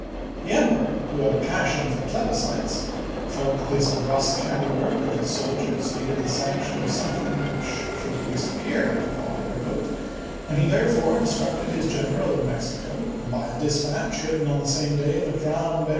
The Emperor, who had a passion for plebiscites, felt that this brusque handiwork of his soldiers needed the sanction of something which should at least appear like a popular vote, and he therefore instructed his general in Mexico, by a MAXIMILIAN 399 dispatch written on the same day the crown bear chap.